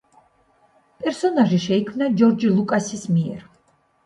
პერსონაჟი შეიქმნა ჯორჯ ლუკასის მიერ.